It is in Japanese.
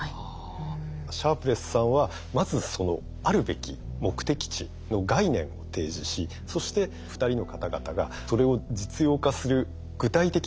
シャープレスさんはまずそのあるべき目的地の概念提示しそして２人の方々がそれを実用化する具体的な手段を見つけ出し